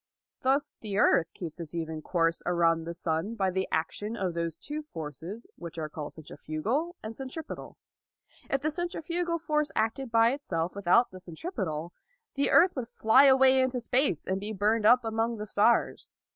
Thus the earth keeps its even course around the sun by the action of those two forces which are called centrifugal and centripetal. If the centrifugal force acted by itself without the centripetal, the earth would fly away into space and be burned up among the stars.